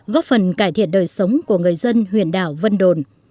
góp phần cải thiện đời sống của người dân huyện đảo vân đồn